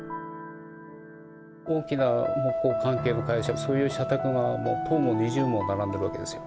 大きな木工関係の会社そういう社宅が１０も２０も並んでる訳ですよ。